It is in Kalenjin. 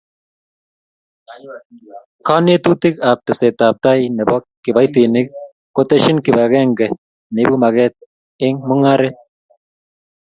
Konetutik ak tesetab tai nebo kibaitinik koteshin kibakenge neibu maget eng' mung'aret